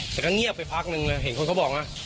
แต่ก็เงียบไปพักนึงเลยเห็นคนเขาบอกนะ